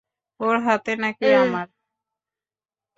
ওর হাতে নাকি আমার।